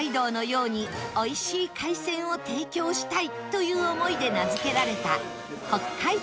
ように美味しい海鮮を提供したいという思いで名付けられた北海亭